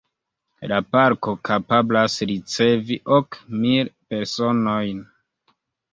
La Parko kapablas ricevi ok mil personojn.